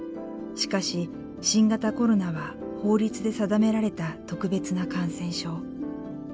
しかし新型コロナは法律で定められた特別な感染症。